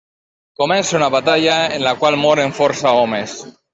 Comença una batalla en la qual moren força homes.